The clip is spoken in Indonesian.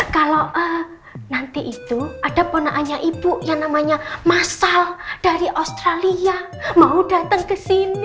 kalau nanti itu ada ponaannya ibu yang namanya masal dari australia mau datang ke sini